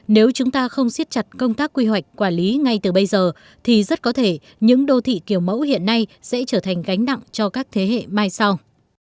nếu chúng ta không siết chặt công tác quy hoạch quản lý ngay từ bây giờ thì rất có thể những đô thị kiểu mẫu hiện nay sẽ trở thành gánh nặng cho các thế hệ mai sau